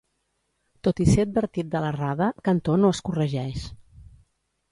Tot i ser advertit de l'errada, Cantó no es corregeix.